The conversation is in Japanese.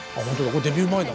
これデビュー前だ。